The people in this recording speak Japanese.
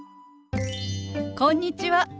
こんにちは。